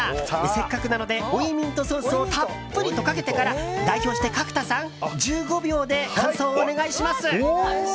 せっかくなので追いミントソースをたっぷりとかけてから代表して角田さん１５秒で感想をお願いします。